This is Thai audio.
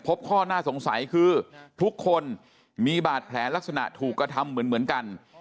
ข้อน่าสงสัยคือทุกคนมีบาดแผลลักษณะถูกกระทำเหมือนกัน